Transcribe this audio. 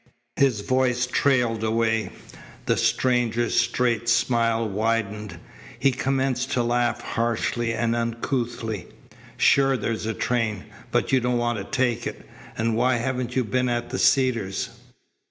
His voice trailed away. The stranger's straight smile widened. He commenced to laugh harshly and uncouthly. "Sure there's a train, but you don't want to take it. And why haven't you been at the Cedars?